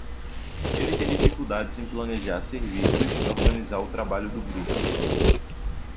Ele tem dificuldades em planejar serviços e organizar o trabalho do grupo.